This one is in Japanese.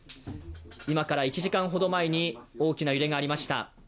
今から１時間ほど前に大きな揺れがありました。